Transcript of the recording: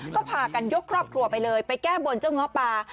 ก็พากันยกครอบครัวไปเลยไปแก้บนเจ้าเงาะปลา